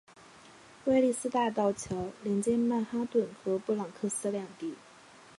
威利斯大道桥连接曼哈顿和布朗克斯两地。